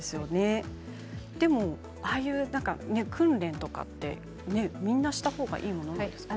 でも、ああいう訓練とかってみんなしたほうがいいものなんですか。